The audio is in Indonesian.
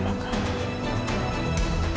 dan menggantikan mama kamu